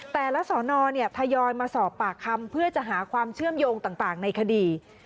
แต่ละสอนอทยอยมาสอบปากคำเพื่อจะหาความเชื่อมโยงต่างในคดี